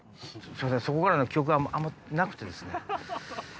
そこからの記憶があんまなくてですね。